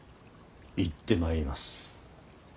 行ってまいります。